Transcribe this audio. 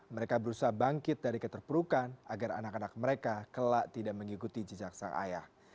mereka berusaha bangkit dari keterperukan agar anak anak mereka kelak tidak mengikuti jejak sang ayah